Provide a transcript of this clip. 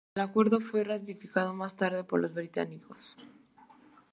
El acuerdo fue ratificado más tarde por los británicos.